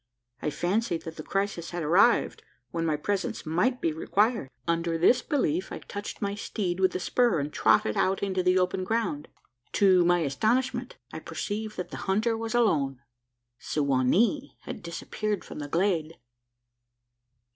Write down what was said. I fancied that the crisis had arrived, when my presence might be required. Under this belief, I touched my steed with the spur, and trotted out into the open ground. To my astonishment, I perceived that the hunter was alone. Su wa nee had disappeared from the glade!